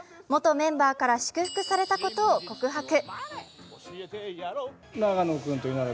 元メンバーから祝福されたことを告白。